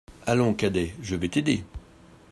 Allons, cadet, je vais t'aider.